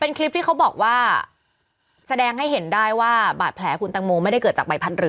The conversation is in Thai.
เป็นคลิปที่เขาบอกว่าแสดงให้เห็นได้ว่าบาดแผลคุณตังโมไม่ได้เกิดจากใบพัดเรือ